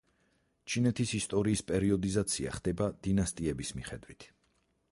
ჩინეთის ისტორიის პერიოდიზაცია ხდება დინასტიების მიხედვით.